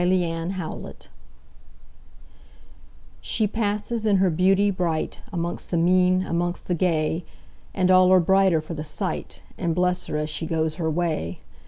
1840 The Secret SHE passes in her beauty brightAmongst the mean, amongst the gay, And all are brighter for the sight, And bless her as she goes her way.